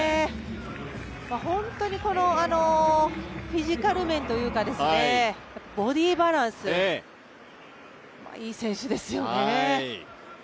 本当にフィジカル面というかボディーバランス、いい選手ですよね。